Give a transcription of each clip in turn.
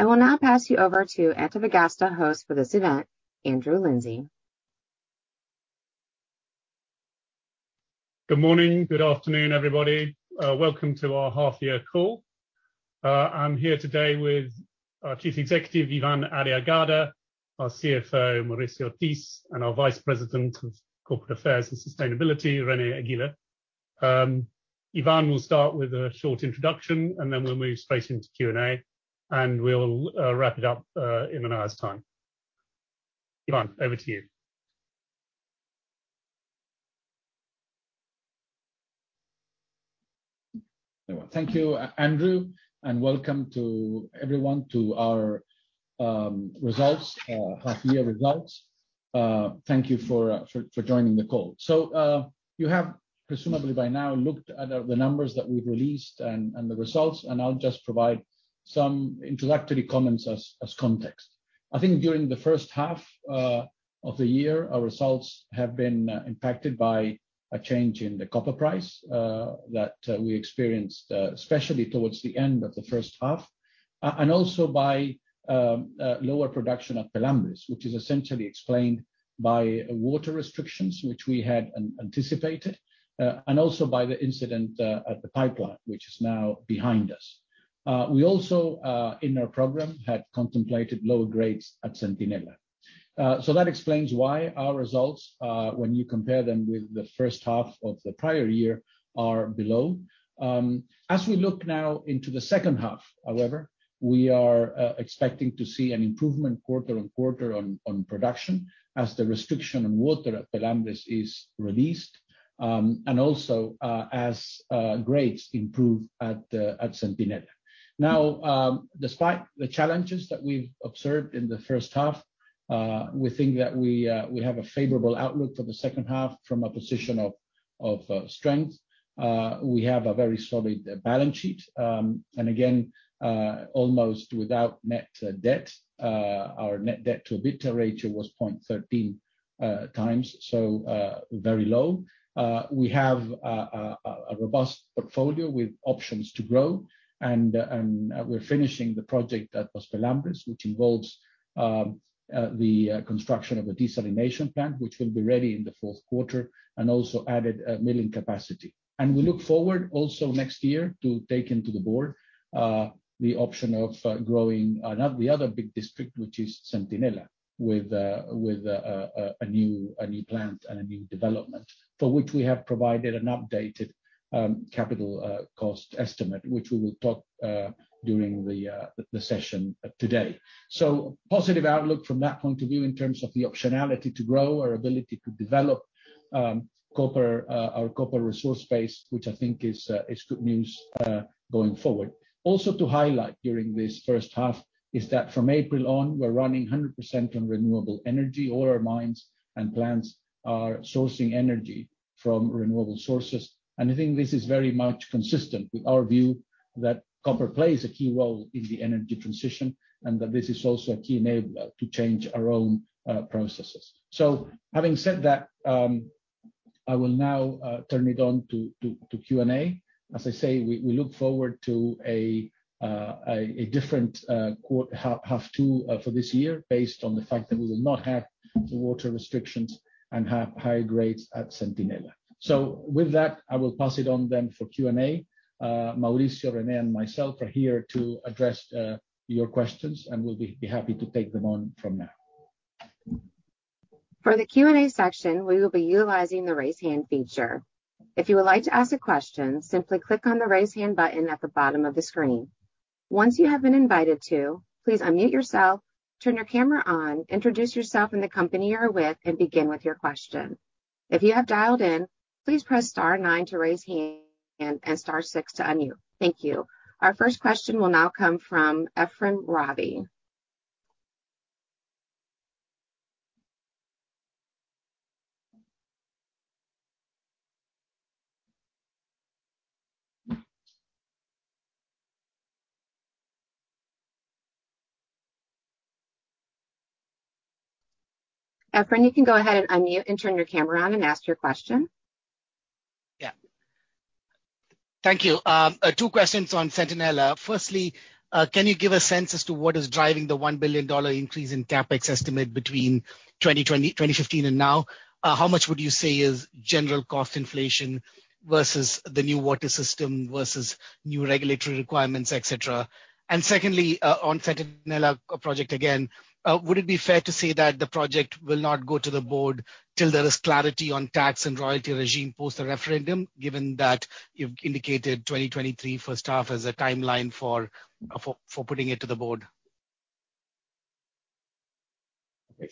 I will now pass you over to Antofagasta host for this event, Andrew Lindsay. Good morning. Good afternoon, everybody. Welcome to our half year call. I'm here today with our Chief Executive, Iván Arriagada, our CFO, Mauricio Ortiz, and our Vice President of Corporate Affairs and Sustainability, René Aguilar. Iván will start with a short introduction, and then we'll move straight into Q&A, and we'll wrap it up in an hour's time. Iván, over to you. Thank you, Andrew, and welcome to everyone to our half year results. Thank you for joining the call. You have presumably by now looked at the numbers that we've released and the results, and I'll just provide some introductory comments as context. I think during the first half of the year, our results have been impacted by a change in the copper price that we experienced, especially towards the end of the first half, and also by lower production at Pelambres, which is essentially explained by water restrictions, which we had anticipated, and also by the incident at the pipeline, which is now behind us. We also in our program had contemplated lower grades at Centinela. That explains why our results, when you compare them with the first half of the prior year, are below. As we look now into the second half, however, we are expecting to see an improvement quarter-over-quarter on production as the restriction on water at Pelambres is released, and also as grades improve at Centinela. Despite the challenges that we've observed in the first half, we think that we have a favorable outlook for the second half from a position of strength. We have a very solid balance sheet, and again, almost without net debt. Our net debt to EBITDA ratio was 0.13x, so very low. We have a robust portfolio with options to grow and we're finishing the project at Pelambres, which involves the construction of a desalination plant, which will be ready in the fourth quarter, and also added milling capacity. We look forward also next year to take into the board the option of growing the other big district, which is Centinela, with a new plant and a new development, for which we have provided an updated capital cost estimate, which we will talk during the session today. Positive outlook from that point of view in terms of the optionality to grow, our ability to develop our copper resource base, which I think is good news going forward. Also to highlight during this first half is that from April on, we're running 100% on renewable energy. All our mines and plants are sourcing energy from renewable sources. I think this is very much consistent with our view that copper plays a key role in the energy transition and that this is also a key enabler to change our own processes. Having said that, I will now turn it over to Q&A. As I say, we look forward to a different H2 for this year, based on the fact that we will not have the water restrictions and have higher grades at Centinela. With that, I will pass it over then for Q&A. Mauricio, René, and myself are here to address your questions, and we'll be happy to take them on from now. For the Q&A section, we will be utilizing the raise hand feature. If you would like to ask a question, simply click on the raise hand button at the bottom of the screen. Once you have been invited to, please unmute yourself, turn your camera on, introduce yourself and the company you are with, and begin with your question. If you have dialed in, please press star nine to raise hand and star six to unmute. Thank you. Our first question will now come from Ephrem Ravi. Ephrem, you can go ahead and unmute and turn your camera on and ask your question. Yeah. Thank you. Two questions on Centinela. Firstly, can you give a sense as to what is driving the $1 billion increase in CapEx estimate between 2015 and now? How much would you say is general cost inflation versus the new water system versus new regulatory requirements, et cetera? Secondly, on Centinela project again, would it be fair to say that the project will not go to the board till there is clarity on tax and royalty regime post the referendum, given that you've indicated 2023 first half as a timeline for putting it to the board?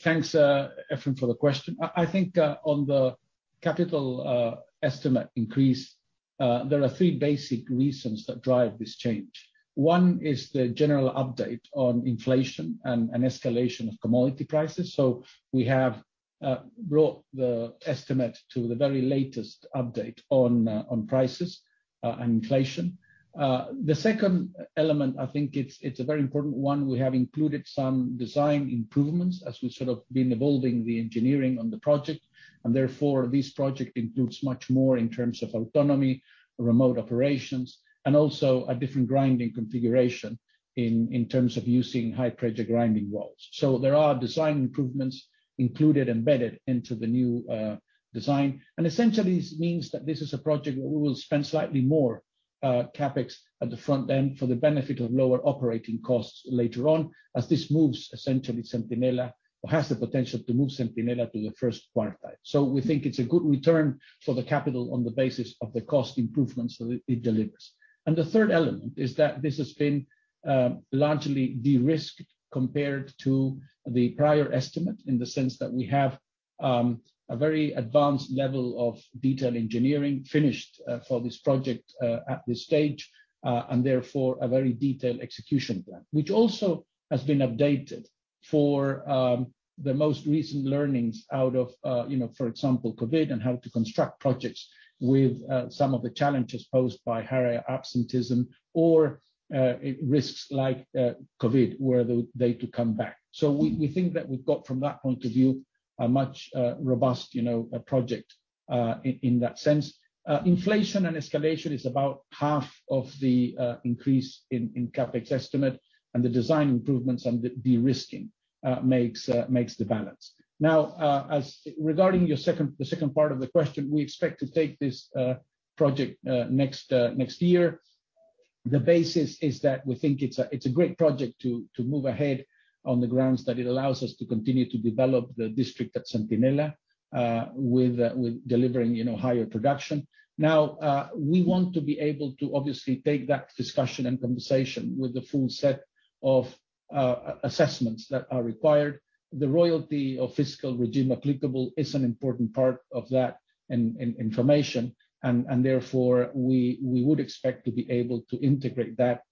Thanks, Ephrem, for the question. I think on the capital estimate increase, there are three basic reasons that drive this change. One is the general update on inflation and escalation of commodity prices. We have brought the estimate to the very latest update on prices and inflation. The second element, I think it's a very important one. We have included some design improvements as we've sort of been evolving the engineering on the project, and therefore, this project includes much more in terms of autonomy, remote operations, and also a different grinding configuration in terms of using high-pressure grinding rolls. There are design improvements included, embedded into the new design. Essentially, this means that this is a project where we will spend slightly more CapEx at the front end for the benefit of lower operating costs later on as this moves essentially Centinela or has the potential to move Centinela to the first quintile. We think it's a good return for the capital on the basis of the cost improvements that it delivers. The third element is that this has been largely de-risked compared to the prior estimate in the sense that we have a very advanced level of detail engineering finished for this project at this stage, and therefore a very detailed execution plan. Which also has been updated for the most recent learnings out of you know, for example, COVID, and how to construct projects with some of the challenges posed by higher absenteeism or risks like COVID, were they to come back. We think that we've got from that point of view a much robust you know project in that sense. Inflation and escalation is about half of the increase in CapEx estimate and the design improvements and the de-risking makes the balance. Now, as regarding the second part of the question, we expect to take this project next year. The basis is that we think it's a great project to move ahead on the grounds that it allows us to continue to develop the district at Centinela with delivering, you know, higher production. Now we want to be able to obviously take that discussion and conversation with the full set of assessments that are required. The royalty and fiscal regime applicable is an important part of that information. Therefore, we would expect to be able to integrate that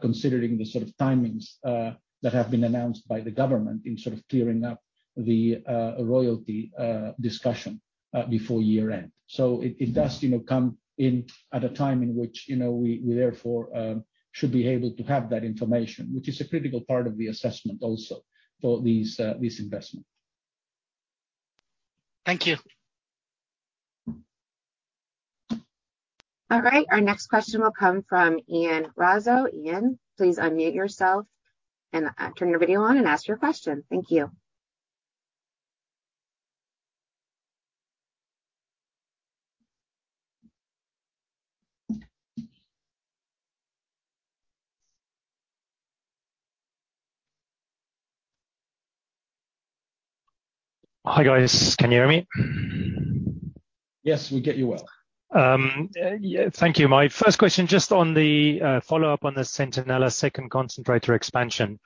considering the sort of timings that have been announced by the government in sort of clearing up the royalty discussion before year-end. It does, you know, come in at a time in which, you know, we therefore should be able to have that information, which is a critical part of the assessment also for this investment. Thank you. All right. Our next question will come from Ian Rossouw. Ian, please unmute yourself and turn your video on and ask your question. Thank you. Hi, guys. Can you hear me? Yes, we get you well. Yeah, thank you. My first question, just on the follow-up on the Centinela second concentrator expansion.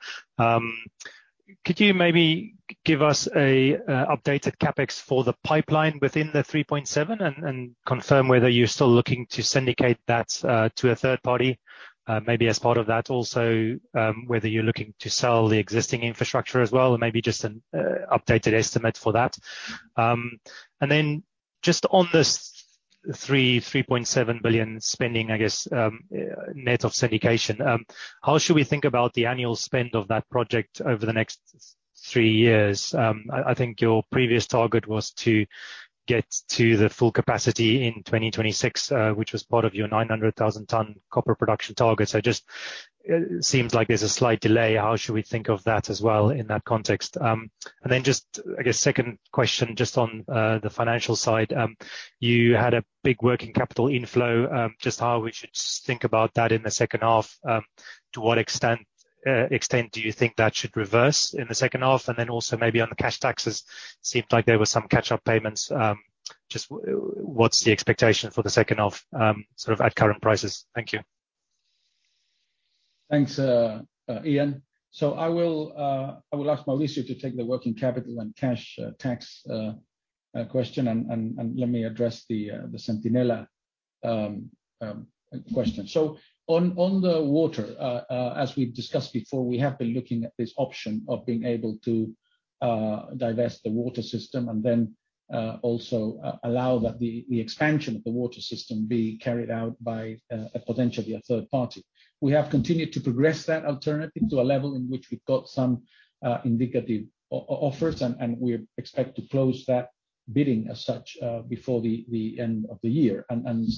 Could you maybe give us an updated CapEx for the pipeline within the $3.7 billion and confirm whether you're still looking to syndicate that to a third party, maybe as part of that also, whether you're looking to sell the existing infrastructure as well or maybe just an updated estimate for that? Then just on this $3.7 billion spending, I guess, net of syndication, how should we think about the annual spend of that project over the next three years? I think your previous target was to get to the full capacity in 2026, which was part of your 900,000 ton copper production target. Just seems like there's a slight delay. How should we think of that as well in that context? Then just, I guess, second question, just on the financial side. You had a big working capital inflow. Just how we should think about that in the second half. To what extent do you think that should reverse in the second half? Then also maybe on the cash taxes, seemed like there were some catch-up payments. Just what's the expectation for the second half, sort of at current prices? Thank you. Thanks, Ian. I will ask Mauricio to take the working capital and cash tax question and let me address the Centinela question. On the water, as we've discussed before, we have been looking at this option of being able to divest the water system and then also allow that the expansion of the water system be carried out by potentially a third party. We have continued to progress that alternative to a level in which we've got some indicative offers, and we expect to close that bidding as such before the end of the year.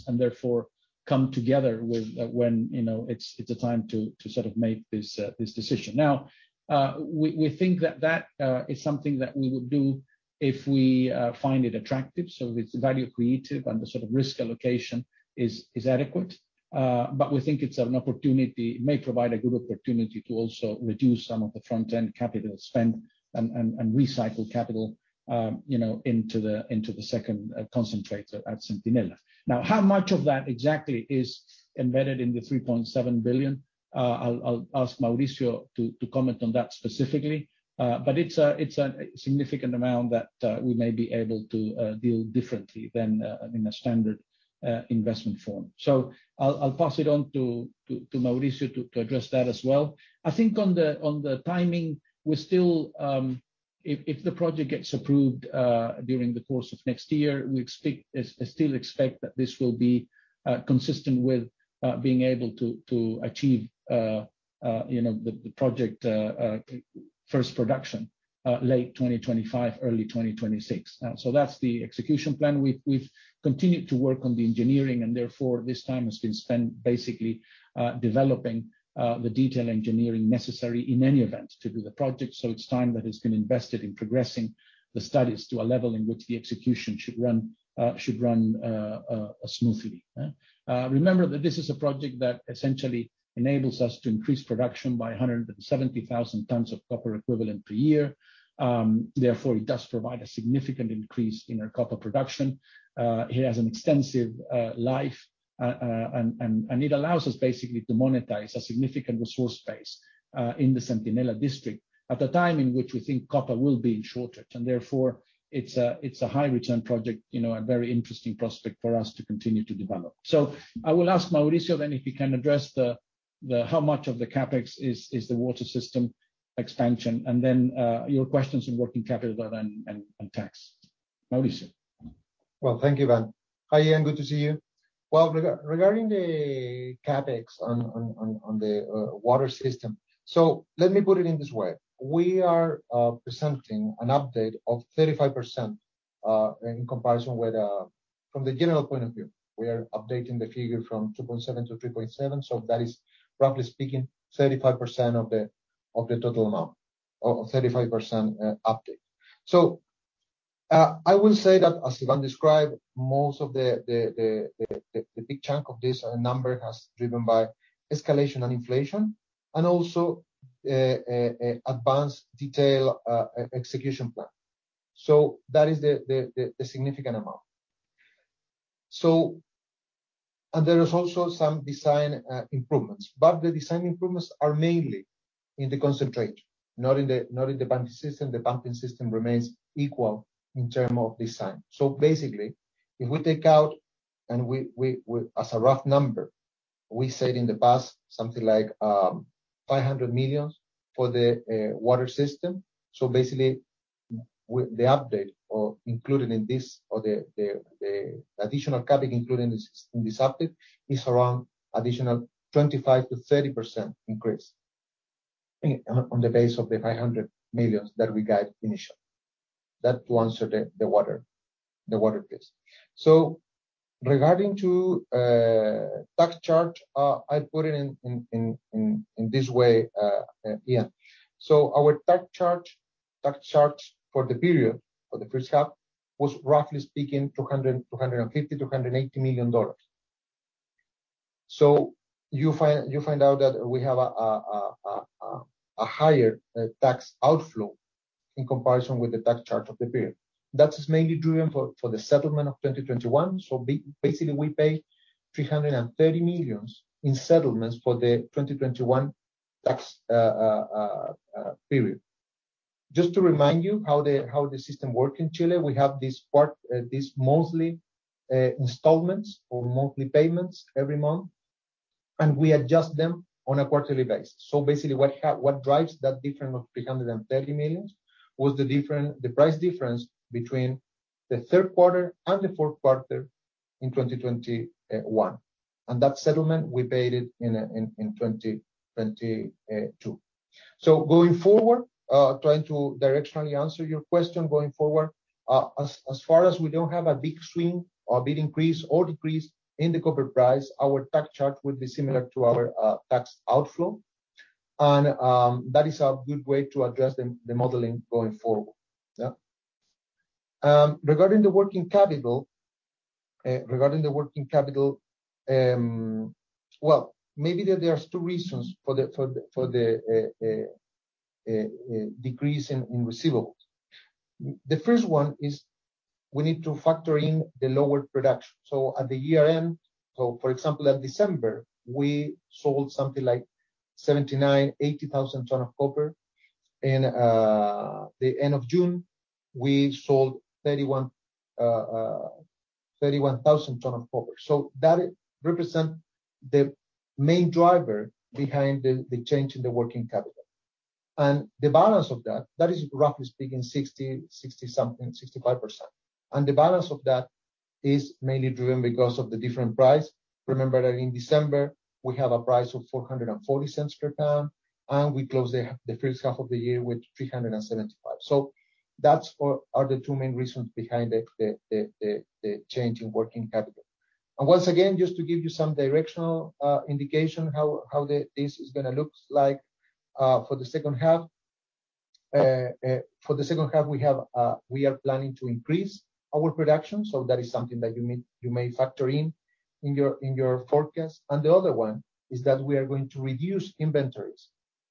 Therefore, come together with when you know it's a time to sort of make this decision. Now, we think that is something that we will do if we find it attractive, so it's value creative and the sort of risk allocation is adequate. We think it's an opportunity, may provide a good opportunity to also reduce some of the front-end capital spend and recycle capital, you know, into the second concentrator at Centinela. Now, how much of that exactly is embedded in the $3.7 billion? I'll ask Mauricio to comment on that specifically. It's a significant amount that we may be able to deal differently than in a standard investment form. I'll pass it on to Mauricio to address that as well. I think on the timing, we still if the project gets approved during the course of next year, we still expect that this will be consistent with being able to achieve you know the project first production. Late 2025, early 2026. That's the execution plan. We've continued to work on the engineering and therefore this time has been spent basically developing the detail engineering necessary in any event to do the project. It's time that has been invested in progressing the studies to a level in which the execution should run smoothly. Remember that this is a project that essentially enables us to increase production by 170,000 tons of copper equivalent per year. Therefore it does provide a significant increase in our copper production. It has an extensive life, and it allows us basically to monetize a significant resource base in the Centinela district at a time in which we think copper will be in shortage. Therefore it's a high return project, you know, a very interesting prospect for us to continue to develop. I will ask Mauricio then if you can address the how much of the CapEx is the water system expansion, and then your questions in working capital then and tax. Mauricio? Well, thank you, Iv`an. Ian, good to see you. Well, regarding the CapEx on the water system. Let me put it in this way. We are presenting an update of 35% in comparison with from the general point of view. We are updating the figure from $2.7-$3.7, so that is roughly speaking 35% of the total amount, or 35% update. I will say that as Iván described, most of the big chunk of this number has driven by escalation and inflation and also an advanced detailed execution plan. That is the significant amount. There is also some design improvements, but the design improvements are mainly in the concentrate, not in the pumping system. The pumping system remains equal in terms of design. Basically, if we take out and we as a rough number, we said in the past something like $500 million for the water system. Basically with the update or included in this or the additional CapEx included in this update is around additional 25%-30% increase on the base of the $500 million that we guide initially. That to answer the water piece. Regarding to tax charge, I put it in this way, Ian. Our tax charge for the period, for the first half was roughly speaking $250-$280 million. You find out that we have a higher tax outflow in comparison with the tax charge of the period. That is mainly driven by the settlement of 2021. Basically, we pay $330 million in settlements for the 2021 tax period. Just to remind you how the system works in Chile, we have this partial monthly installments or monthly payments every month, and we adjust them on a quarterly basis. Basically what drives that difference of $330 million was the difference, the price difference between the third quarter and the fourth quarter in 2021. That settlement, we paid it in 2022. Going forward, trying to directionally answer your question going forward, as far as we don't have a big swing or big increase or decrease in the copper price, our tax charge will be similar to our tax outflow. That is a good way to address the modeling going forward. Yeah. Regarding the working capital, well, maybe there are two reasons for the decrease in receivables. The first one is we need to factor in the lower production. At the year end, for example, at December, we sold something like 79,000-80,000 tons of copper. In the end of June, we sold 31,000 tons of copper. That represents the main driver behind the change in the working capital. The balance of that is roughly speaking 65%. The balance of that is mainly driven because of the different price. Remember that in December, we have a price of $4.40 per ton, and we closed the first half of the year with $3.75. That's the two main reasons behind the change in working capital. Once again, just to give you some directional indication how this is gonna look like for the second half. For the second half, we are planning to increase our production, so that is something that you may factor in your forecast. The other one is that we are going to reduce inventories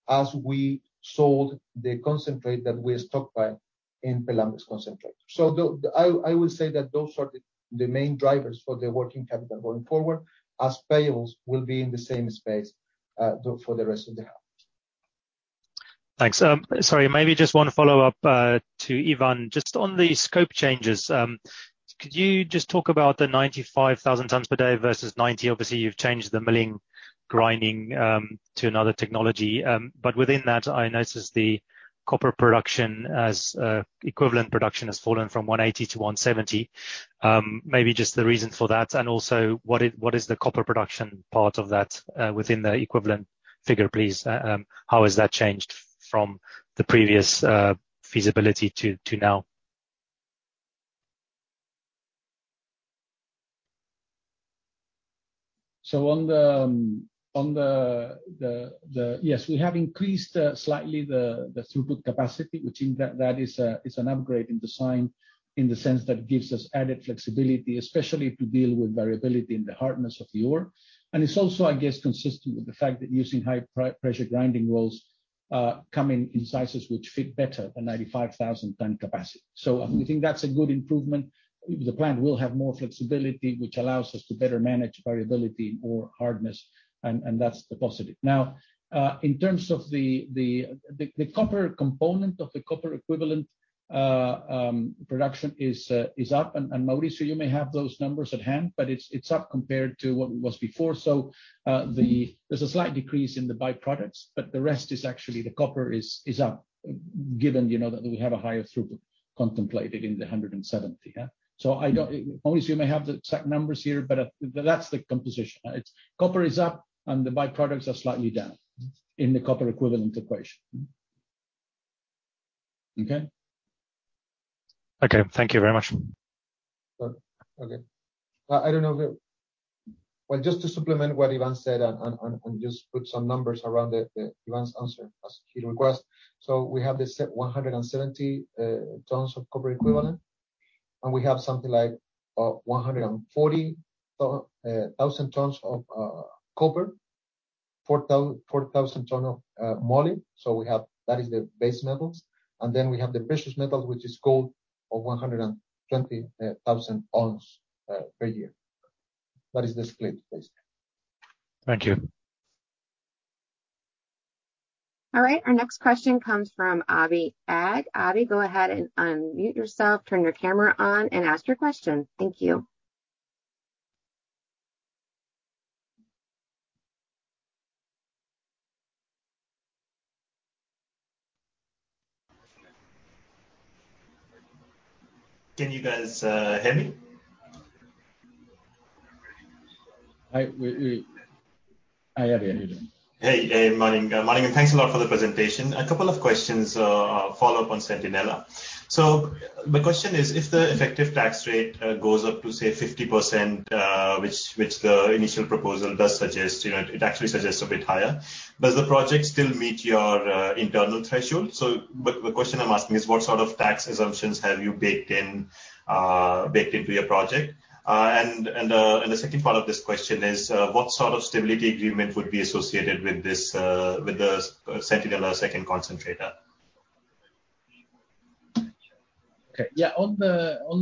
as we sold the concentrate that we stockpiled in Los Pelambres. I will say that those are the main drivers for the working capital going forward, as payables will be in the same space for the rest of the half. Thanks. Sorry, maybe just one follow-up to Iván. Just on the scope changes, could you just talk about the 95,000 tons per day versus 90,000? Obviously, you've changed the milling grinding to another technology. But within that, I noticed the copper equivalent production has fallen from 180-170. Maybe just the reason for that and also what is the copper production part of that within the equivalent figure, please? How has that changed from the previous feasibility to now? Yes, we have increased slightly the throughput capacity, which is an upgrade in design in the sense that it gives us added flexibility, especially to deal with variability in the hardness of the ore. It's also, I guess, consistent with the fact that using high-pressure grinding rolls come in sizes which fit better the 95,000 ton capacity. We think that's a good improvement. The plant will have more flexibility, which allows us to better manage variability in ore hardness, and that's the positive. Now, in terms of the copper component of the copper equivalent production is up. Mauricio may have those numbers at hand, but it's up compared to what was before. There's a slight decrease in the by-products, but the rest is actually the copper is up, given, you know, that we have a higher throughput contemplated in the 170, yeah? Mauricio may have the exact numbers here, but that's the composition. It's Copper is up, and the by-products are slightly down in the copper equivalent equation. Okay? Okay, thank you very much. Just to supplement what Iván said and just put some numbers around Iván's answer as he requests. We have 170 tons of copper equivalent, and we have something like 140,000 tons of copper. 4,000 tons of moly. We have, that is the base metals. Then we have the precious metals, which is gold of 120,000 ounces per year. That is the split, basically. Thank you. All right. Our next question comes from Abhi Agarwal. Abhi, go ahead and unmute yourself, turn your camera on, and ask your question. Thank you. Can you guys hear me? I hear you. Hey, morning. Morning, thanks a lot for the presentation. A couple of questions, follow up on Centinela. The question is, if the effective tax rate goes up to, say, 50%, which the initial proposal does suggest, you know, it actually suggests a bit higher, does the project still meet your internal threshold? The question I'm asking is what sort of tax assumptions have you baked in, baked into your project? And the second part of this question is, what sort of stability agreement would be associated with this, with the Centinela second concentrator? Okay. Yeah. On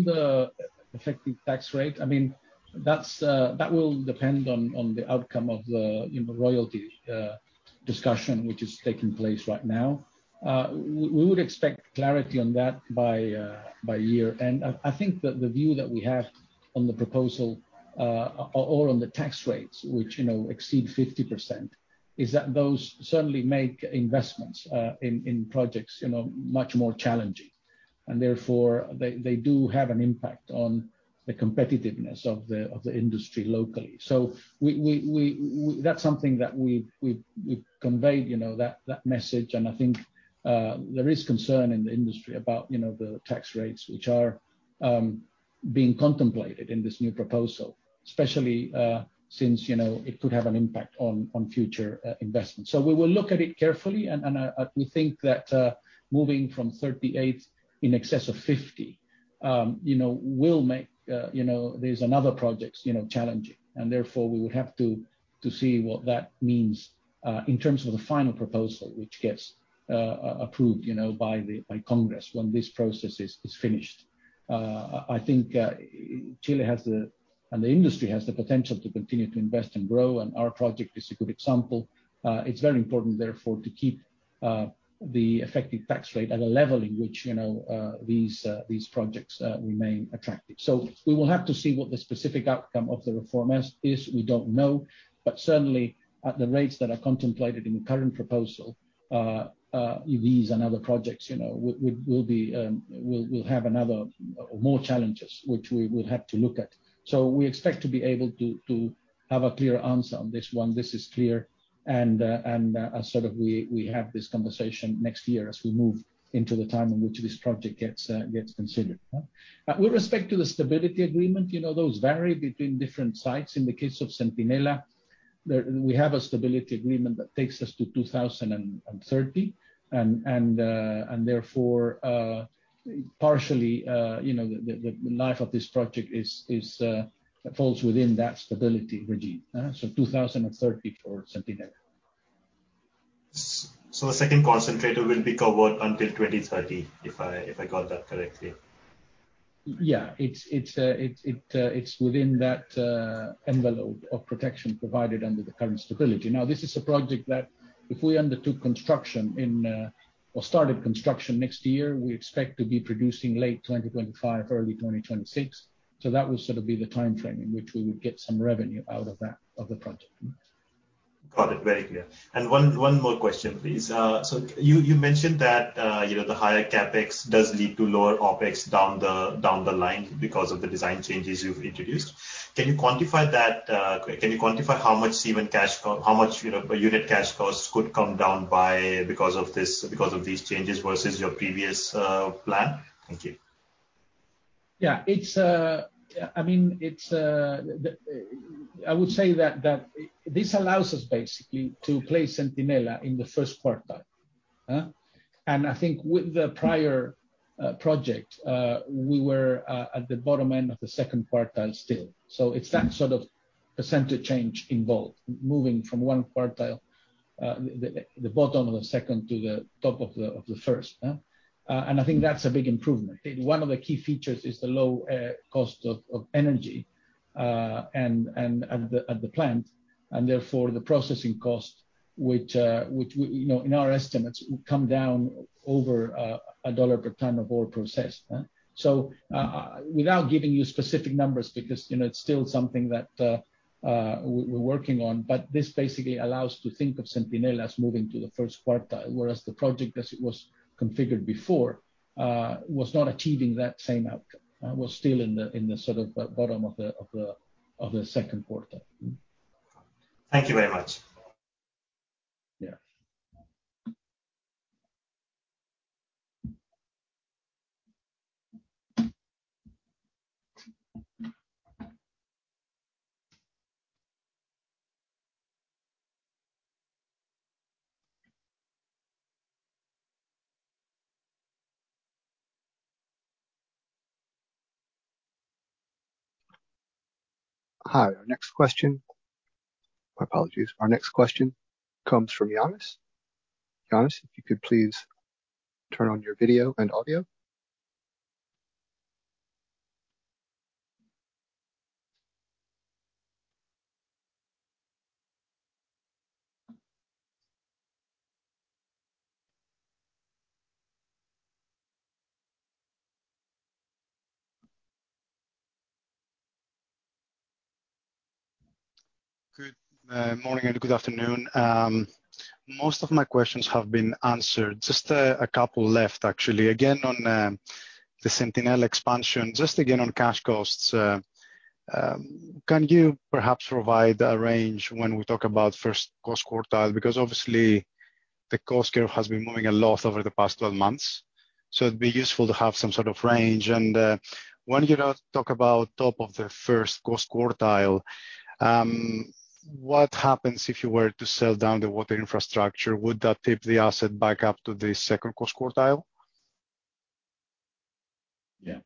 the effective tax rate, I mean, that will depend on the outcome of the you know royalty discussion which is taking place right now. We would expect clarity on that by year-end. I think that the view that we have on the proposal or on the tax rates, which you know exceed 50%, is that those certainly make investments in projects you know much more challenging. Therefore, they do have an impact on the competitiveness of the industry locally. That's something that we conveyed you know that message. I think there is concern in the industry about, you know, the tax rates which are being contemplated in this new proposal, especially, since, you know, it could have an impact on future investments. We will look at it carefully and we think that moving from 38% in excess of 50%, you know, will make these and other projects, you know, challenging. We would have to see what that means in terms of the final proposal which gets approved, you know, by the Congress when this process is finished. I think Chile has the, and the industry has the potential to continue to invest and grow, and our project is a good example. It's very important therefore to keep the effective tax rate at a level in which, you know, these projects remain attractive. We will have to see what the specific outcome of the reform is. We don't know. Certainly, at the rates that are contemplated in the current proposal, these and other projects, you know, would have more challenges which we would have to look at. We expect to be able to have a clear answer on this one. This is clear and as sort of we have this conversation next year as we move into the time in which this project gets considered. With respect to the stability agreement, you know those vary between different sites. In the case of Centinela, we have a stability agreement that takes us to 2030. Therefore, partially, you know, the life of this project falls within that stability regime. 2030 for Centinela. The second concentrator will be covered until 2030, if I got that correctly? It's within that envelope of protection provided under the current stability. Now, this is a project that if we undertook construction in or started construction next year, we expect to be producing late 2025, early 2026. That would sort of be the timeframe in which we would get some revenue out of that project. Got it. Very clear. One more question, please. So you mentioned that, you know, the higher CapEx does lead to lower OpEx down the line because of the design changes you've introduced. Can you quantify that? Can you quantify how much unit cash costs could come down by because of this, because of these changes versus your previous plan? Thank you. I would say that this allows us basically to place Centinela in the first quartile. I think with the prior project we were at the bottom end of the second quartile still. It's that sort of percentage change involved, moving from one quartile, the bottom of the second to the top of the first. I think that's a big improvement. One of the key features is the low cost of energy and at the plant, and therefore the processing cost which we you know in our estimates would come down over $1 per ton of ore processed. without giving you specific numbers because, you know, it's still something that we're working on, but this basically allows to think of Centinela as moving to the first quartile, whereas the project as it was configured before was not achieving that same outcome. It was still in the sort of bottom of the second quartile. Thank you very much. Yeah. Hi. My apologies. Our next question comes from Ioannis. Ioannis, if you could please turn on your video and audio. Good morning and good afternoon. Most of my questions have been answered, just a couple left actually. Again, on the Centinela expansion, just again on cash costs. Can you perhaps provide a range when we talk about first cost quartile? Because obviously the cost curve has been moving a lot over the past 12 months, so it'd be useful to have some sort of range. When you talk about top of the first cost quartile, what happens if you were to sell down the water infrastructure? Would that tip the asset back up to the second cost quartile? Yeah.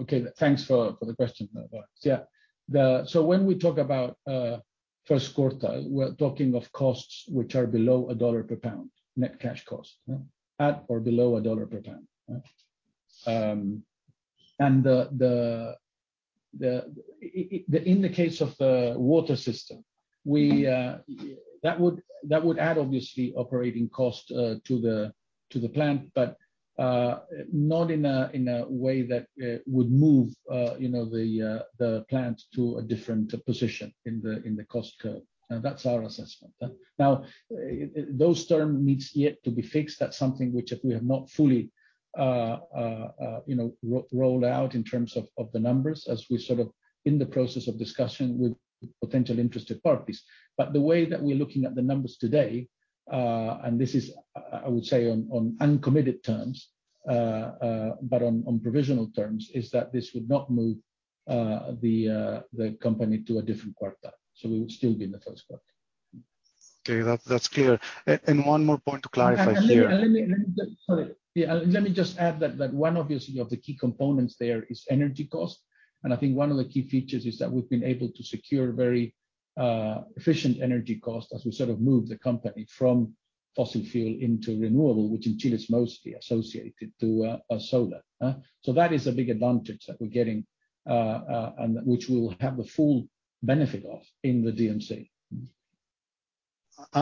Okay. Thanks for the question. Yeah. When we talk about first quartile, we're talking of costs which are below $1 per pound, net cash cost, yeah. At or below $1 per pound. In the case of the water system, that would add obviously operating cost to the plant, but not in a way that would move, you know, the plant to a different position in the cost curve. That's our assessment. Now, those terms need yet to be fixed. That's something which we have not fully, you know, rolled out in terms of the numbers as we're sort of in the process of discussion with potential interested parties. The way that we're looking at the numbers today, and this is, I would say on uncommitted terms, but on provisional terms, is that this would not move the company to a different quartile. We would still be in the first quartile. Okay. That, that's clear. One more point to clarify here. Let me just add that one obviously of the key components there is energy cost, and I think one of the key features is that we've been able to secure very efficient energy cost as we sort of move the company from fossil fuel into renewable, which in Chile is mostly associated to solar. That is a big advantage that we're getting, and which we'll have the full benefit of in the DMC.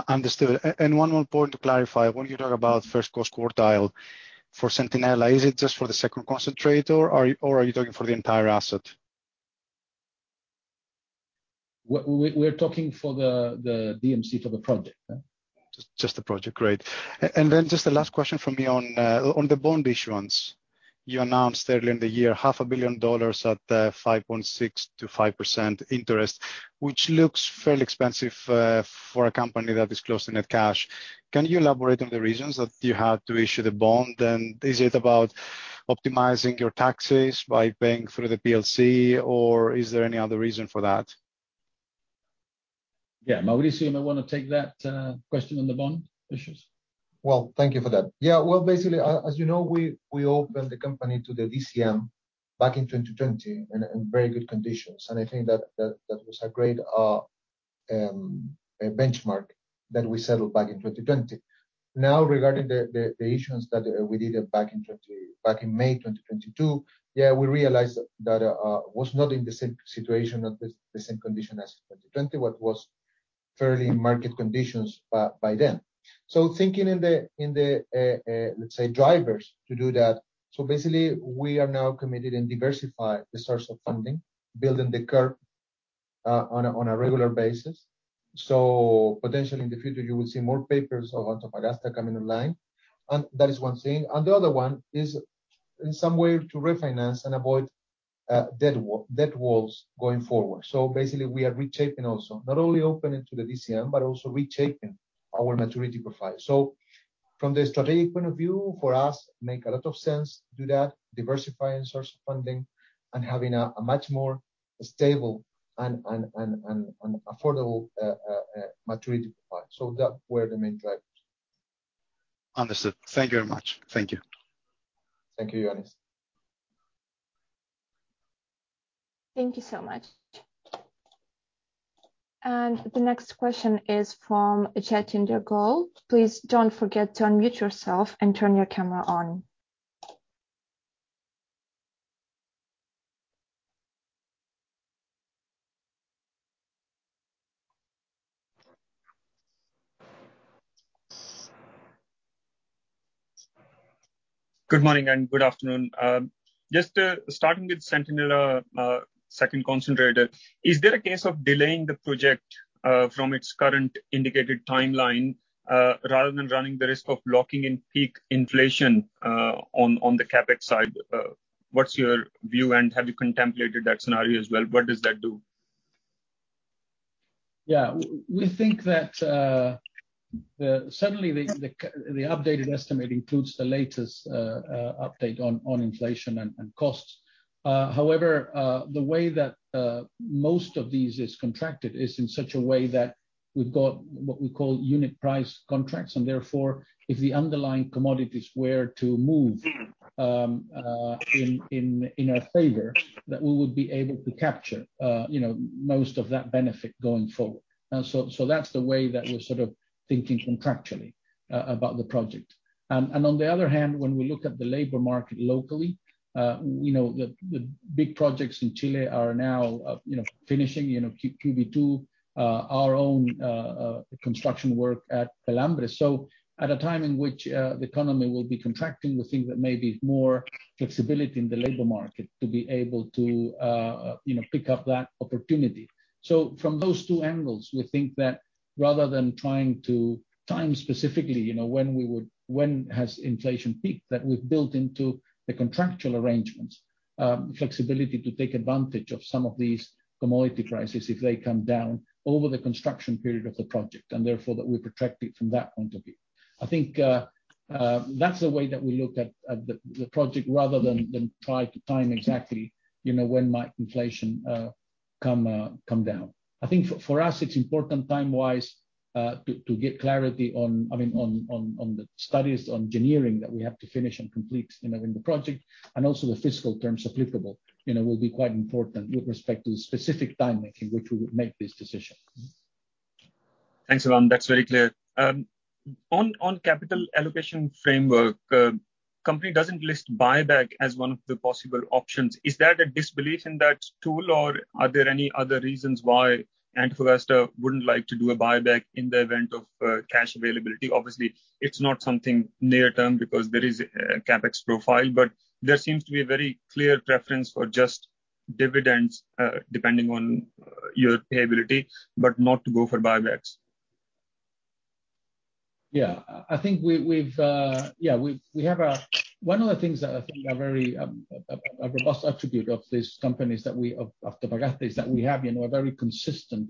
Understood. One more point to clarify. When you talk about first cost quartile for Centinela, is it just for the second concentrator or are you talking for the entire asset? We're talking for the DMC for the project, huh. Just the project. Great. Just the last question from me on the bond issuance. You announced earlier in the year half a billion dollars at 5.6%-5% interest, which looks fairly expensive for a company that is closing cash. Can you elaborate on the reasons that you had to issue the bond, and is it about optimizing your taxes by paying through the plc or is there any other reason for that? Yeah. Mauricio might wanna take that question on the bond issues. Well, thank you for that. Yeah. Well, basically, as you know, we opened the company to the DCM back in 2020 in very good conditions, and I think that was a great benchmark that we settled back in 2020. Now, regarding the issuance that we did back in May 2022, yeah, we realized that was not in the same situation, not the same condition as 2020, which were fair market conditions by then. Thinking in the, let's say, drivers to do that, basically we are now committed and diversify the source of funding, building the curve on a regular basis. Potentially in the future, you will see more papers of Antofagasta coming online. That is one thing. The other one is in some way to refinance and avoid. Debt walls going forward. Basically we are reshaping also. Not only opening to the DCM, but also reshaping our maturity profile. From the strategic point of view, for us it makes a lot of sense to do that, diversifying sources of funding and having a much more stable and affordable maturity profile. Those were the main drivers. Understood. Thank you very much. Thank you. Thank you, Ioannis. Thank you so much. The next question is from Jatinder Goel. Please don't forget to unmute yourself and turn your camera on. Good morning and good afternoon. Just starting with Centinela second concentrator, is there a case of delaying the project from its current indicated timeline rather than running the risk of locking in peak inflation on the CapEx side? What's your view, and have you contemplated that scenario as well? What does that do? We think that certainly the updated estimate includes the latest update on inflation and costs. However, the way that most of these is contracted is in such a way that we've got what we call unit price contracts, and therefore, if the underlying commodities were to move. in our favor, that we would be able to capture, you know, most of that benefit going forward. That's the way that we're sort of thinking contractually about the project. On the other hand, when we look at the labor market locally, you know, the big projects in Chile are now, you know, finishing. You know, Q2, our own construction work at Pelambres. At a time in which the economy will be contracting, we think there may be more flexibility in the labor market to be able to, you know, pick up that opportunity. From those two angles, we think that rather than trying to time specifically, you know, when we would When has inflation peaked, that we've built into the contractual arrangements, flexibility to take advantage of some of these commodity prices if they come down over the construction period of the project, and therefore that we're protected from that point of view. I think, that's the way that we looked at the project rather than try to time exactly, you know, when might inflation come down. I think for us, it's important time-wise, to get clarity on, I mean, on the studies on engineering that we have to finish and complete, you know, in the project. Also the fiscal terms applicable, you know, will be quite important with respect to the specific timing in which we would make this decision. Thanks, Iván. That's very clear. On capital allocation framework, company doesn't list buyback as one of the possible options. Is that a disbelief in that tool, or are there any other reasons why Antofagasta wouldn't like to do a buyback in the event of cash availability? Obviously, it's not something near term because there is a CapEx profile, but there seems to be a very clear preference for just dividends depending on your payout, but not to go for buybacks. Yeah, I think one of the things that I think are very a robust attribute of this company is that we have of Antofagasta you know a very consistent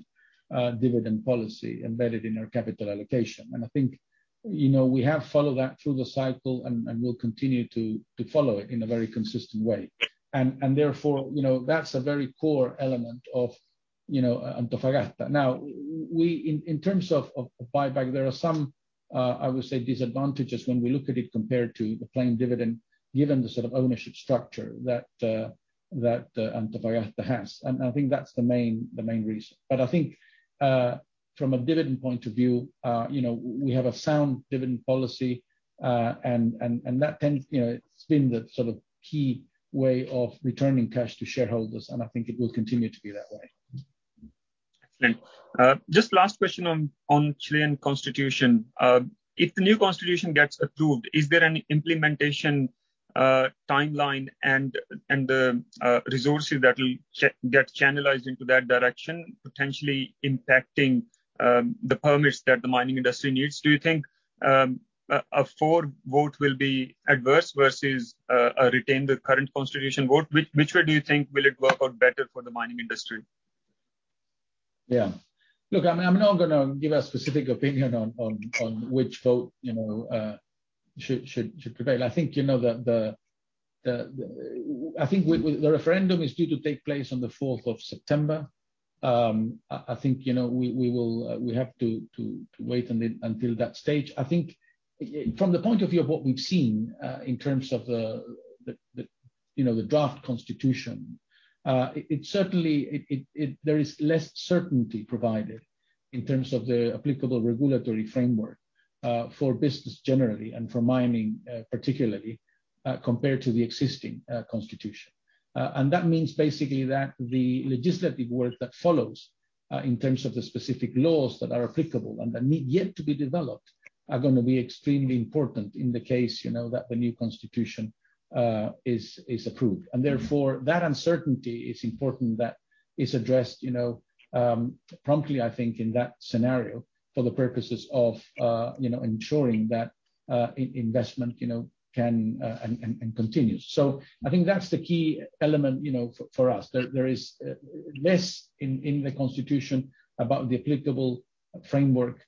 dividend policy embedded in our capital allocation. I think, you know, we have followed that through the cycle and will continue to follow it in a very consistent way. Therefore, you know, that's a very core element of, you know, Antofagasta. Now, in terms of buyback, there are some, I would say, disadvantages when we look at it compared to the plain dividend, given the sort of ownership structure that Antofagasta has. I think that's the main reason. I think, from a dividend point of view, you know, we have a sound dividend policy. It's been the sort of key way of returning cash to shareholders, and I think it will continue to be that way. Excellent. Just last question on Chilean constitution. If the new constitution gets approved, is there any implementation timeline and resources that will get channelized into that direction, potentially impacting the permits that the mining industry needs? Do you think a for vote will be adverse versus a retain the current constitution vote? Which way do you think will it work out better for the mining industry? Yeah. Look, I'm not gonna give a specific opinion on which vote, you know, should prevail. I think, you know, with the referendum is due to take place on the fourth of September. I think, you know, we will have to wait until that stage. I think from the point of view of what we've seen in terms of the, you know, the draft constitution, it certainly. There is less certainty provided in terms of the applicable regulatory framework for business generally and for mining particularly compared to the existing constitution. That means basically that the legislative work that follows, in terms of the specific laws that are applicable and that need yet to be developed are gonna be extremely important in the case, you know, that the new constitution is approved. Therefore, that uncertainty is important that is addressed, you know, promptly, I think, in that scenario for the purposes of, you know, ensuring that investment, you know, can and continues. I think that's the key element, you know, for us. There is less in the Constitution about the applicable framework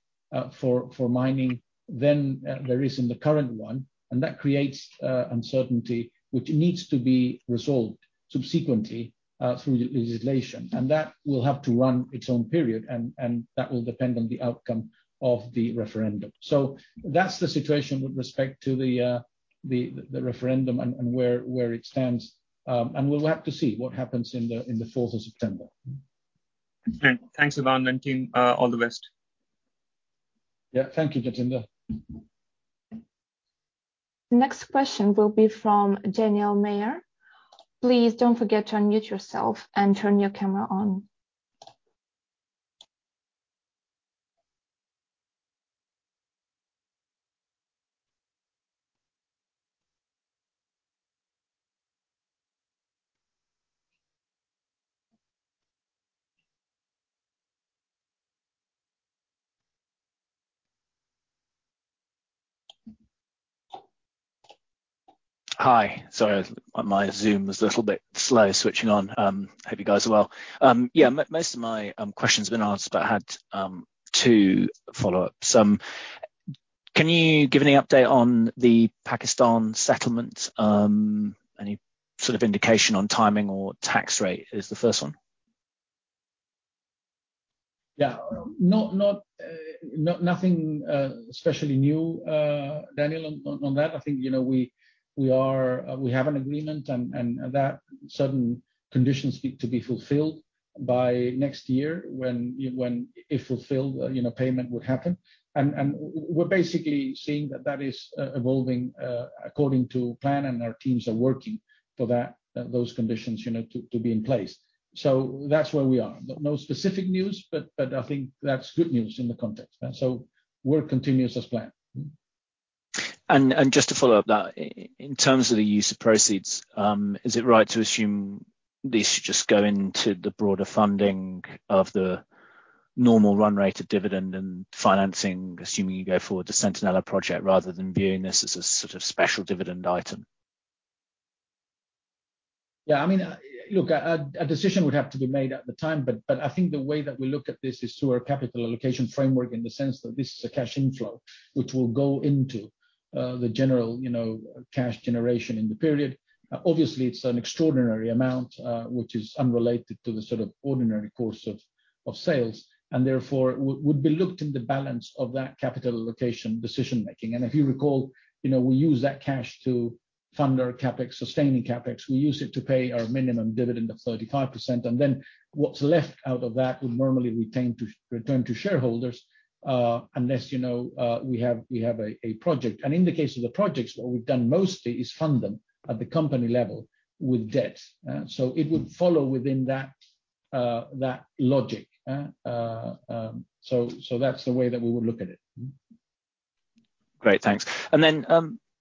for mining than there is in the current one, and that creates uncertainty, which needs to be resolved subsequently through legislation. That will have to run its own period and that will depend on the outcome of the referendum. So that's the situation with respect to the referendum and where it stands. We'll have to see what happens in the fourth of September. Okay. Thanks a lot, and team, all the best. Yeah. Thank you, Jatinder. Next question will be from Daniel Major. Please don't forget to unmute yourself and turn your camera on. Hi. Sorry, my Zoom was a little bit slow switching on. Hope you guys are well. Yeah, most of my questions have been asked, but I had two follow-ups. Can you give any update on the Pakistan settlement? Any sort of indication on timing or tax rate is the first one. Yeah. Not nothing especially new, Daniel, on that. I think you know we have an agreement and that certain conditions need to be fulfilled by next year when if fulfilled you know payment would happen. We're basically seeing that is evolving according to plan, and our teams are working for that, those conditions you know to be in place. That's where we are. No specific news, but I think that's good news in the context. Work continues as planned. Just to follow up that, in terms of the use of proceeds, is it right to assume these should just go into the broader funding of the normal run rate of dividend and financing, assuming you go forward with the Centinela project rather than viewing this as a sort of special dividend item? Yeah. I mean, look, a decision would have to be made at the time, but I think the way that we look at this is through our capital allocation framework in the sense that this is a cash inflow, which will go into the general, you know, cash generation in the period. Obviously, it's an extraordinary amount, which is unrelated to the sort of ordinary course of sales, and therefore would be looked in the balance of that capital allocation decision-making. If you recall, you know, we use that cash to fund our CapEx, sustaining CapEx. We use it to pay our minimum dividend of 35%, and then what's left out of that would normally return to shareholders, unless, you know, we have a project. In the case of the projects, what we've done mostly is fund them at the company level with debt. It would follow within that logic. That's the way that we would look at it. Great. Thanks.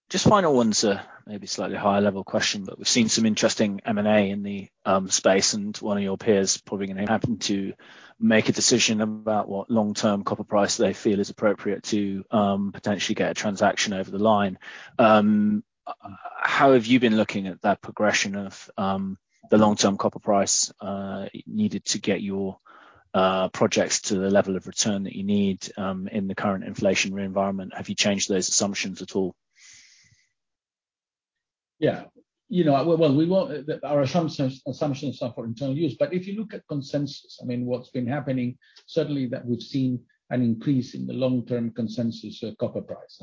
Just final one, sir. Maybe slightly higher level question, but we've seen some interesting M&A in the space, and one of your peers probably gonna have to make a decision about what long-term copper price they feel is appropriate to potentially get a transaction over the line. How have you been looking at that progression of the long-term copper price needed to get your projects to the level of return that you need in the current inflationary environment? Have you changed those assumptions at all? Yeah. You know, well, we want our assumptions are for internal use. If you look at consensus, I mean, what's been happening, certainly that we've seen an increase in the long-term consensus copper price.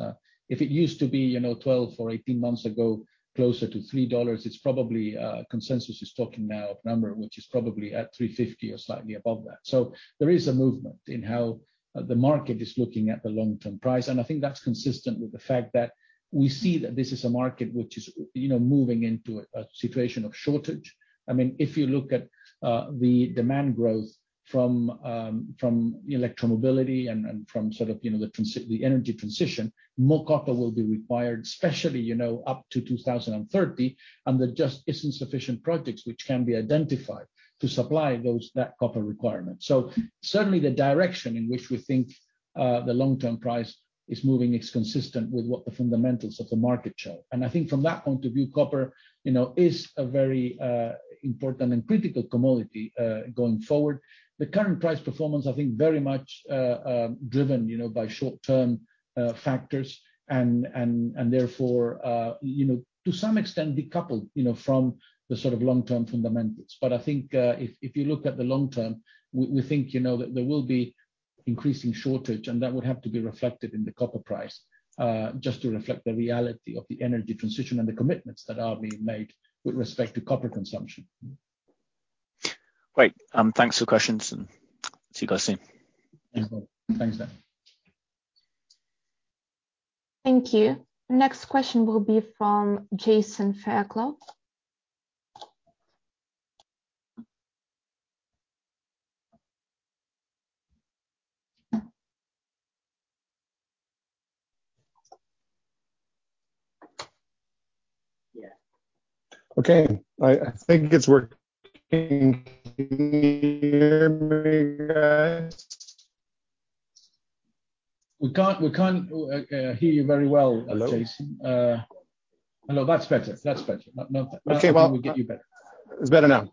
If it used to be, you know, 12 or 18 months ago, closer to $3, it's probably, consensus is talking now of number which is probably at $3.50 or slightly above that. There is a movement in how the market is looking at the long-term price, and I think that's consistent with the fact that we see that this is a market which is, you know, moving into a situation of shortage. I mean, if you look at the demand growth from electromobility and from sort of, you know, the energy transition, more copper will be required, especially, you know, up to 2030, and there just isn't sufficient projects which can be identified to supply that copper requirement. Certainly the direction in which we think the long-term price is moving is consistent with what the fundamentals of the market show. I think from that point of view, copper, you know, is a very important and critical commodity going forward. The current price performance, I think, very much driven, you know, by short-term factors and therefore, you know, to some extent, decoupled, you know, from the sort of long-term fundamentals. I think, if you look at the long term, we think, you know, that there will be increasing shortage, and that would have to be reflected in the copper price, just to reflect the reality of the energy transition and the commitments that are being made with respect to copper consumption. Great. Thanks for questions and see you guys soon. Thanks. Thanks then. Thank you. Next question will be from Jason Fairclough. Okay. I think it's working. Can you hear me guys? We can't hear you very well. Hello? Jason. No, that's better. Okay. Well. That probably will get you better. It's better now.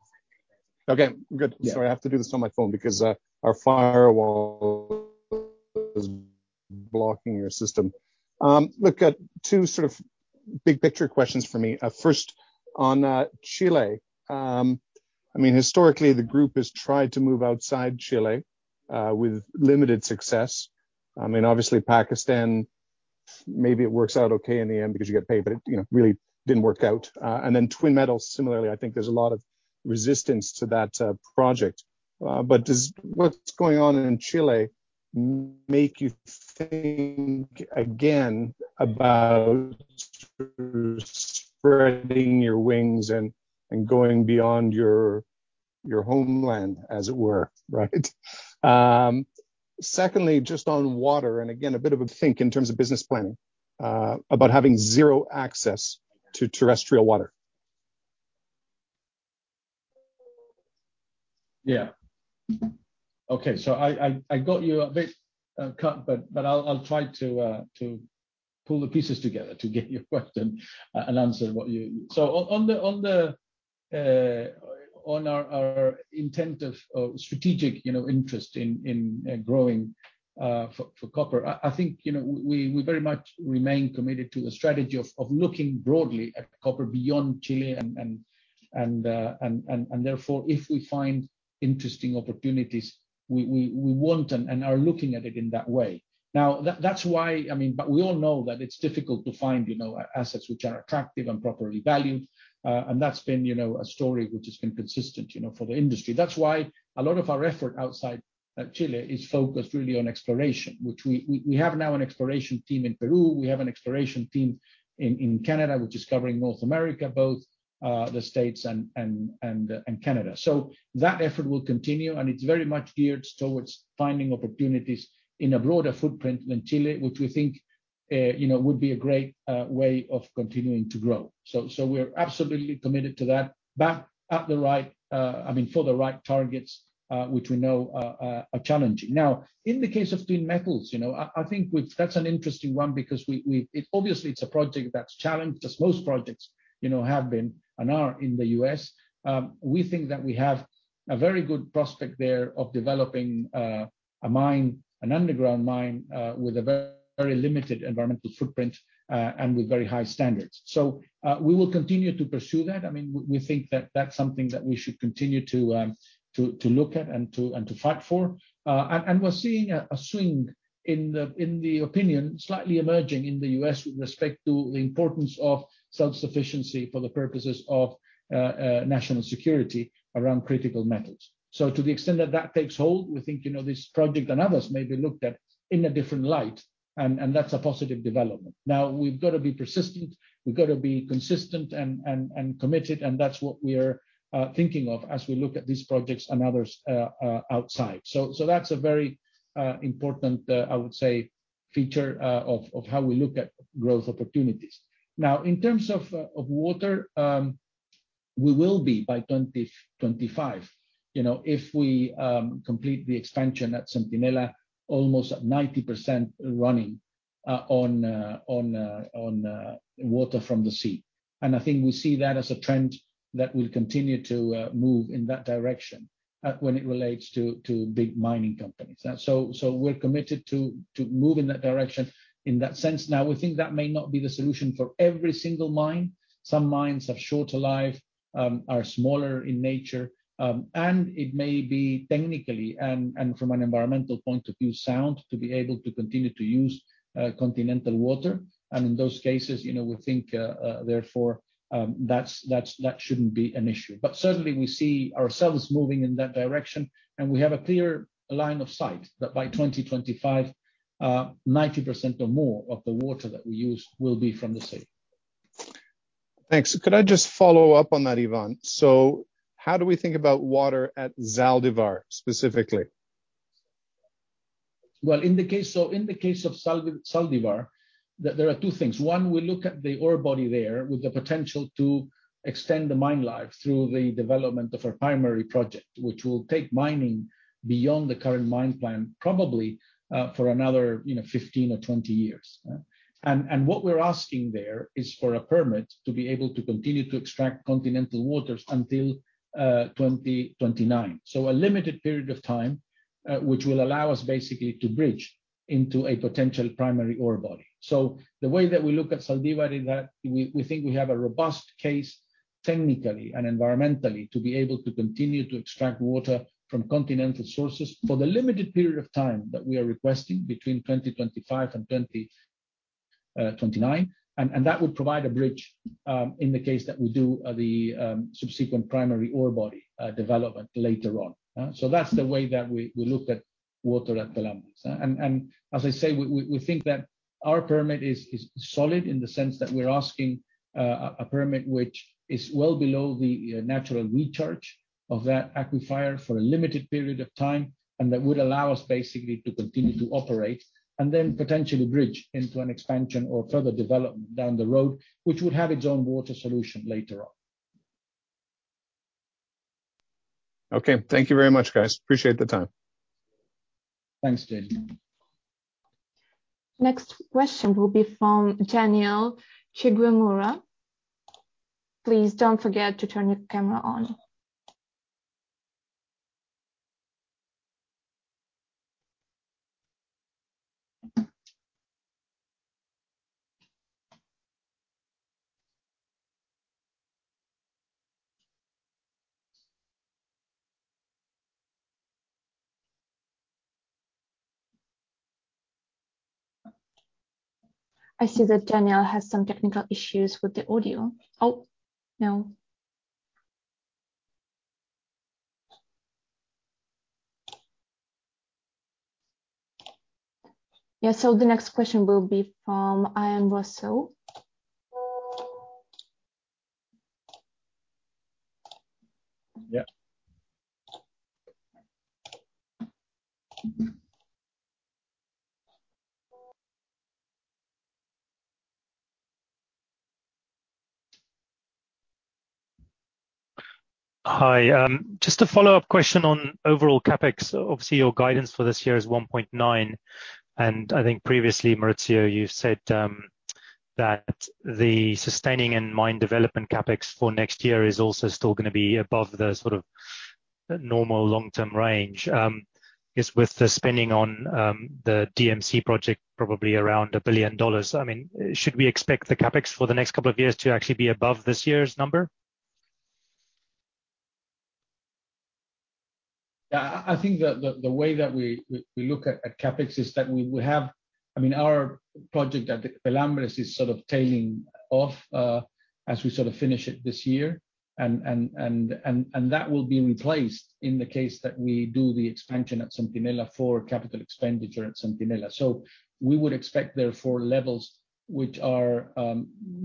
Okay, good. Yeah. Sorry, I have to do this on my phone because our firewall is blocking your system. Look, two sort of big picture questions for me. First on Chile. I mean, historically, the group has tried to move outside Chile with limited success. I mean, obviously Pakistan, maybe it works out okay in the end because you get paid, but it, you know, really didn't work out. And then Twin Metals similarly, I think there's a lot of resistance to that project. Does what's going on in Chile make you think again about spreading your wings and going beyond your homeland, as it were, right? Secondly, just on water, and again, a bit of a think in terms of business planning about having zero access to terrestrial water. Yeah. Okay. I got you a bit cut, but I'll try to pull the pieces together to get your question and answer what you. On our intent of strategic interest in growing for copper, I think, you know, we very much remain committed to the strategy of looking broadly at copper beyond Chile and therefore if we find interesting opportunities, we want and are looking at it in that way. Now, that's why. I mean, we all know that it's difficult to find assets which are attractive and properly valued, and that's been a story which has been consistent for the industry. That's why a lot of our effort outside Chile is focused really on exploration, which we have now an exploration team in Peru, we have an exploration team in Canada, which is covering North America, both the States and Canada. That effort will continue, and it's very much geared towards finding opportunities in a broader footprint than Chile, which we think you know would be a great way of continuing to grow. We're absolutely committed to that, but at the right I mean for the right targets which we know are challenging. In the case of Twin Metals, you know I think that's an interesting one because obviously it's a project that's challenged, as most projects you know have been and are in the U.S. We think that we have a very good prospect there of developing a mine, an underground mine, with a very limited environmental footprint, and with very high standards. We will continue to pursue that. I mean, we think that that's something that we should continue to look at and to fight for. We're seeing a swing in the opinion slightly emerging in the U.S. with respect to the importance of self-sufficiency for the purposes of national security around critical metals. To the extent that that takes hold, we think, you know, this project and others may be looked at in a different light, and that's a positive development. Now, we've got to be persistent, we've got to be consistent and committed, and that's what we're thinking of as we look at these projects and others outside. That's a very important, I would say, feature of how we look at growth opportunities. Now, in terms of water, we will be by 2025, you know, if we complete the expansion at Centinela, almost 90% running on water from the sea. I think we see that as a trend that will continue to move in that direction when it relates to big mining companies. We're committed to move in that direction in that sense. Now, we think that may not be the solution for every single mine. Some mines have shorter life, are smaller in nature, and it may be technically and from an environmental point of view sound to be able to continue to use, continental water. In those cases, you know, we think, therefore, that shouldn't be an issue. Certainly we see ourselves moving in that direction, and we have a clear line of sight that by 2025, 90% or more of the water that we use will be from the sea. Thanks. Could I just follow up on that, Ivan? How do we think about water at Zaldívar specifically? In the case of Zaldívar, there are two things. One, we look at the ore body there with the potential to extend the mine life through the development of a primary project, which will take mining beyond the current mine plan probably for another, you know, 15 or 20 years. And what we're asking there is for a permit to be able to continue to extract continental waters until 2029. A limited period of time, which will allow us basically to bridge into a potential primary ore body. The way that we look at Zaldívar is that we think we have a robust case technically and environmentally to be able to continue to extract water from continental sources for the limited period of time that we are requesting between 2025 and 2029. That would provide a bridge in the case that we do the subsequent primary ore body development later on. That's the way that we look at water at Zaldívar. As I say, we think that our permit is solid in the sense that we're asking a permit which is well below the natural recharge of that aquifer for a limited period of time, and that would allow us basically to continue to operate and then potentially bridge into an expansion or further development down the road, which would have its own water solution later on. Okay. Thank you very much, guys. Appreciate the time. Thanks, Jason. Next question will be from Danielle Chigumira. Please don't forget to turn your camera on. I see that Danielle has some technical issues with the audio. Oh, now. Yeah. The next question will be from Ian Rossouw. Yeah. Hi. Just a follow-up question on overall CapEx. Obviously, your guidance for this year is $1.9 billion. I think previously, Mauricio, you've said that the sustaining and mine development CapEx for next year is also still gonna be above the sort of normal long-term range with the spending on the DMC project probably around $1 billion. I mean, should we expect the CapEx for the next couple of years to actually be above this year's number? Yeah. I think the way that we look at CapEx is that, I mean, our project at Pelambres is sort of tailing off as we sort of finish it this year. That will be replaced in the case that we do the expansion at Centinela for capital expenditure at Centinela. We would expect therefore levels which are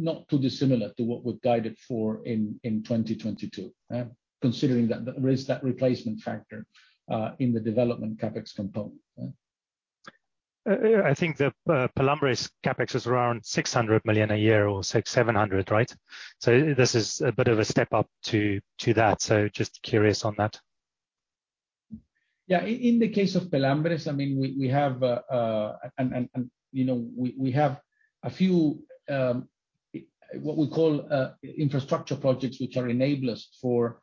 not too dissimilar to what we've guided for in 2022, yeah. Considering that there is that replacement factor in the development CapEx component. Yeah. I think the Pelambres CapEx is around $600 million a year or $600-$700, right? This is a bit of a step up to that. Just curious on that. Yeah. In the case of Pelambres, I mean, we have a few what we call infrastructure projects which are enablers for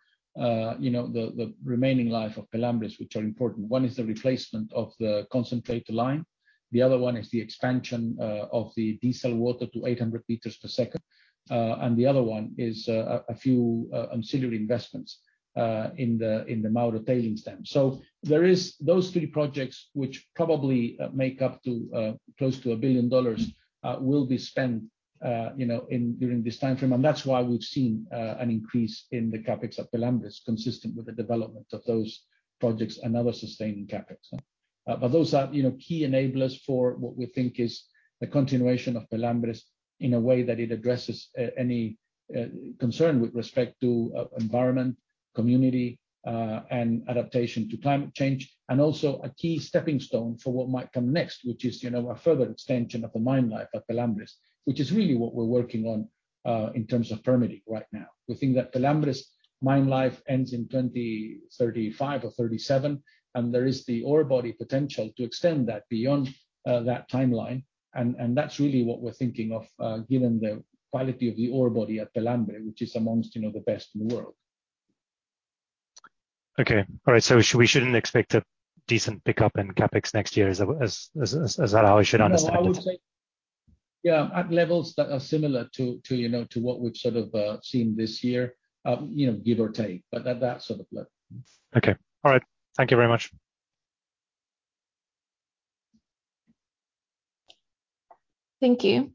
you know the remaining life of Pelambres, which are important. One is the replacement of the concentrate line. The other one is the expansion of the desalination plant to 800 m per second. The other one is a few ancillary investments in the Mauro tailings dam. There is those three projects which probably make up to close to $1 billion will be spent you know during this time frame, and that's why we've seen an increase in the CapEx at Pelambres consistent with the development of those projects and other sustaining CapEx. Those are, you know, key enablers for what we think is the continuation of Pelambres in a way that it addresses any concern with respect to environment, community, and adaptation to climate change, and also a key stepping stone for what might come next, which is, you know, a further extension of the mine life at Pelambres, which is really what we're working on in terms of permitting right now. We think that Pelambres mine life ends in 2035 or 2037, and there is the ore body potential to extend that beyond that timeline. That's really what we're thinking of, given the quality of the ore body at Pelambres, which is among, you know, the best in the world. Okay. All right. We shouldn't expect a decent pickup in CapEx next year. Is that how I should understand it? No, I would say yeah, at levels that are similar to what we've sort of seen this year, you know, give or take, but at that sort of level. Okay. All right. Thank you very much. Thank you.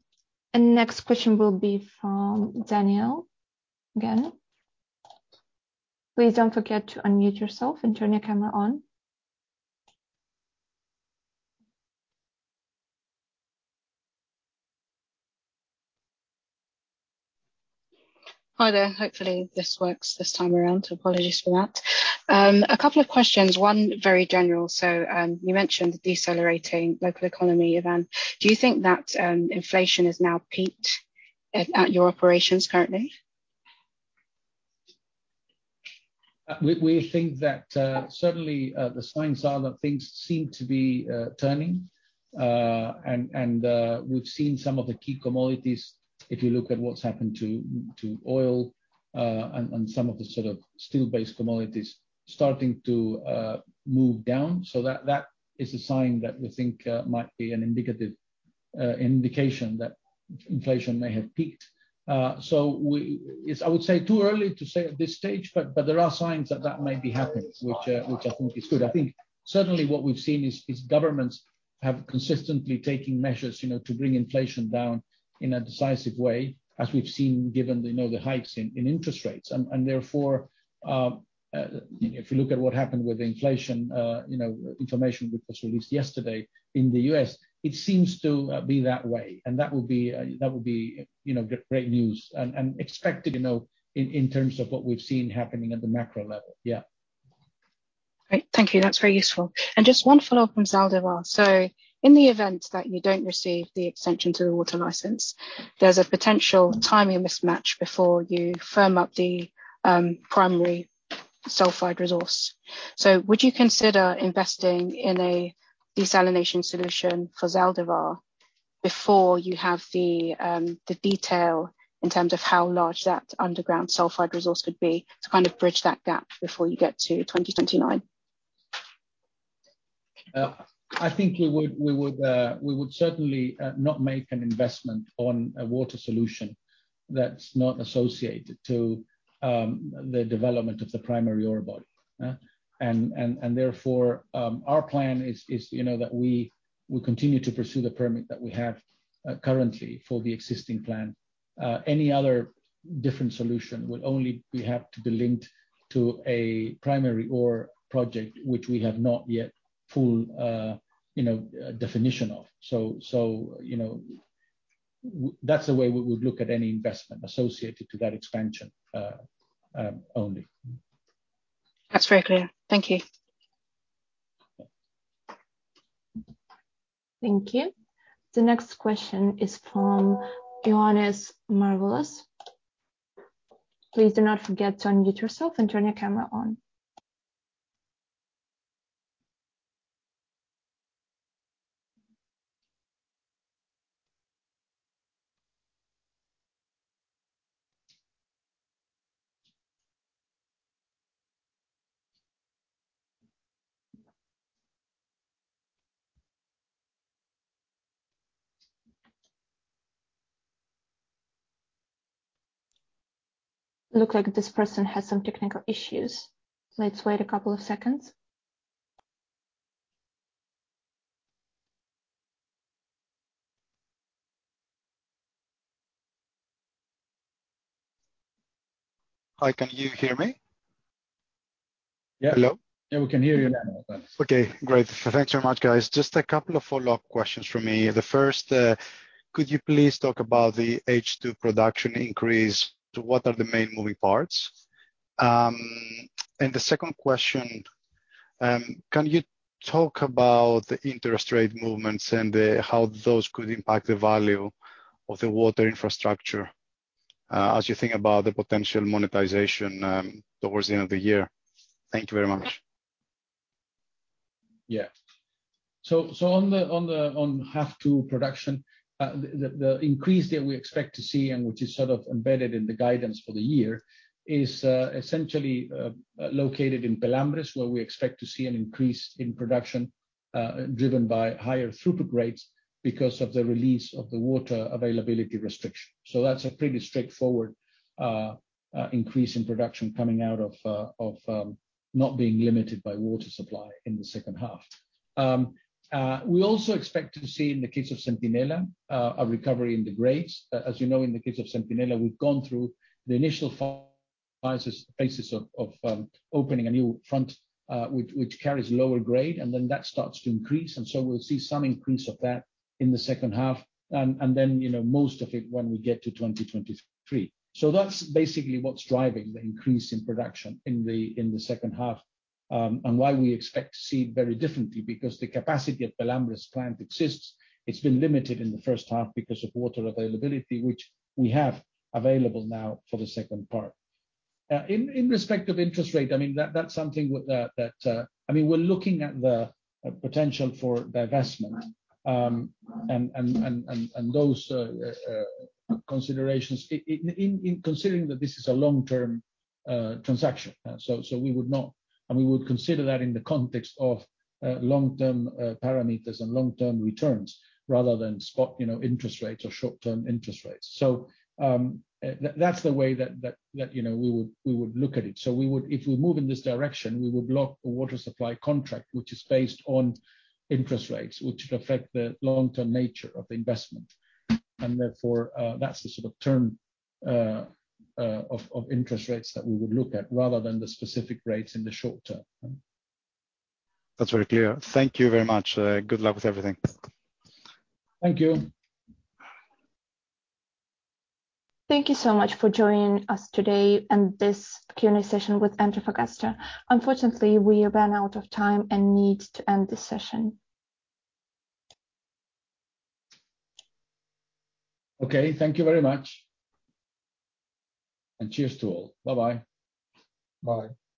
Next question will be from Danielle again. Please don't forget to unmute yourself and turn your camera on. Hi there. Hopefully this works this time around, so apologies for that. A couple of questions, one very general. You mentioned decelerating local economy environment. Do you think that inflation has now peaked at your operations currently? We think that certainly the signs are that things seem to be turning. We've seen some of the key commodities, if you look at what's happened to oil and some of the sort of steel-based commodities starting to move down. That is a sign that we think might be an indicative indication that inflation may have peaked. It's too early to say at this stage, but there are signs that that may be happening, which I think is good. I think certainly what we've seen is governments have consistently taking measures, you know, to bring inflation down in a decisive way, as we've seen, given, you know, the hikes in interest rates. Therefore, if you look at what happened with inflation, you know, information that was released yesterday in the U.S., it seems to be that way. That will be, you know, great news and expected, you know, in terms of what we've seen happening at the macro level. Yeah. Great. Thank you. That's very useful. Just one follow-up from Zaldívar. In the event that you don't receive the extension to the water license, there's a potential timing mismatch before you firm up the primary sulfide resource. Would you consider investing in a desalination solution for Zaldívar before you have the detail in terms of how large that underground sulfide resource could be to kind of bridge that gap before you get to 2029? I think we would certainly not make an investment on a water solution that's not associated to the development of the primary ore body. Therefore, our plan is, you know, that we continue to pursue the permit that we have currently for the existing plan. Any other different solution would only have to be linked to a primary ore project which we have not yet full you know definition of. You know, that's the way we would look at any investment associated to that expansion, only. That's very clear. Thank you. Thank you. The next question is from Ioannis Masvoulas. Please do not forget to unmute yourself and turn your camera on. Looks like this person has some technical issues. Let's wait a couple of seconds. Hi. Can you hear me? Yeah. Hello? Yeah, we can hear you now. Okay, great. Thanks very much, guys. Just a couple of follow-up questions from me. The first, could you please talk about the H2 production increase and what are the main moving parts? The second question, can you talk about the interest rate movements and how those could impact the value of the water infrastructure, as you think about the potential monetization, towards the end of the year? Thank you very much. On H2 production, the increase that we expect to see and which is sort of embedded in the guidance for the year is essentially located in Pelambres, where we expect to see an increase in production driven by higher throughput grades because of the release of the water availability restriction. That's a pretty straightforward increase in production coming out of not being limited by water supply in the second half. We also expect to see in the case of Centinela a recovery in the grades. As you know, in the case of Centinela, we've gone through the initial phases of opening a new front, which carries lower grade, and then that starts to increase. We'll see some increase of that in the second half and then, you know, most of it when we get to 2023. That's basically what's driving the increase in production in the second half and why we expect to see very differently because the capacity at Pelambres plant exists. It's been limited in the first half because of water availability, which we have available now for the second part. In respect of interest rate, I mean, that's something with that. I mean, we're looking at the potential for divestment and those considerations in considering that this is a long-term transaction. We would not... We would consider that in the context of long-term parameters and long-term returns rather than spot, you know, interest rates or short-term interest rates. That's the way that you know, we would look at it. If we move in this direction, we would lock a water supply contract, which is based on interest rates, which would affect the long-term nature of the investment. Therefore, that's the sort of term of interest rates that we would look at rather than the specific rates in the short term. That's very clear. Thank you very much. Good luck with everything. Thank you. Thank you so much for joining us today and this Q&A session with Antofagasta. Unfortunately, we ran out of time and need to end the session. Okay. Thank you very much. Cheers to all. Bye-bye. Bye.